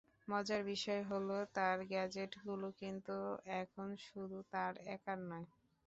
মজার বিষয় হলো, তাঁর গ্যাজেটগুলো কিন্তু এখন শুধু তাঁর একার নয়।